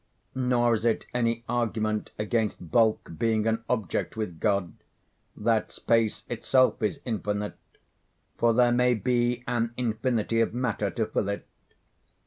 Nor is it any argument against bulk being an object with God, that space itself is infinite; for there may be an infinity of matter to fill it.